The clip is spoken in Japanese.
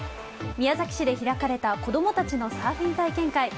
宮崎市で開かれた子供たちのサーフィン体験会。